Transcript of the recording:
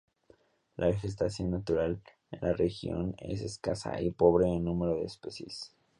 La vegetación natural en la región es escasa y pobre en número de especies.